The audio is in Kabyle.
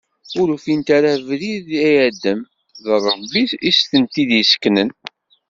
Ur ufint ara abrid i Adem d Ṛebbi-s i tent-yesseknan.